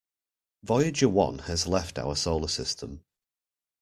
Voyager One has left our solar system.